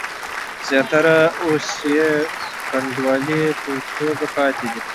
زیاتره اوس یې کنډوالې په توګه پاتې دي.